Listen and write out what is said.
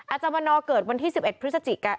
อาจารย์วันนอร์เกิดวันที่๑๑พฤศจิกา